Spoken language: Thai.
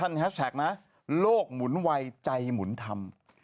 แฮชแท็กนะโลกหมุนวัยใจหมุนธรรม